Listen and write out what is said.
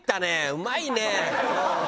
うまいねえ！